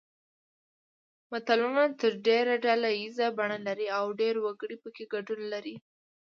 متلونه تر ډېره ډله ییزه بڼه لري او ډېر وګړي پکې ګډون لري